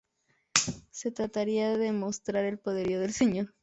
Se trataría de mostrar el poderío del señor.